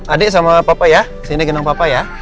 adik sama papa ya sini genang papa ya